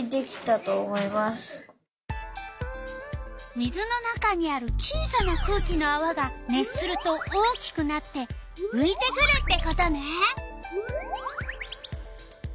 水の中にある小さな空気のあわが熱すると大きくなってういてくるってことね。